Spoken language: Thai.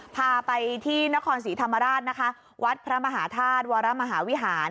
พาไปที่นครศรีธรรมราชนะคะวัดพระมหาธาตุวรมหาวิหาร